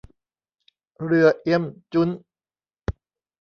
เรือเอี้ยมจุ๊น